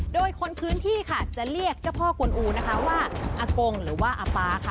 โดยคนพื้นที่ค่ะจะเรียกเจ้าพ่อกวนอูนะคะว่าอากงหรือว่าอาฟ้าค่ะ